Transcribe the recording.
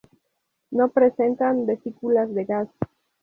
No presentan vesículas de gas.